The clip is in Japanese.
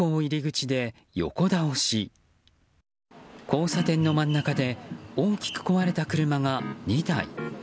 交差点の真ん中で大きく壊れた車が２台。